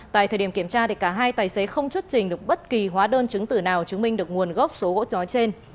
tại thời điểm kiểm tra cả hai tài xế không xuất trình được bất kỳ hóa đơn chứng tử nào chứng minh được nguồn gốc số gỗ nói trên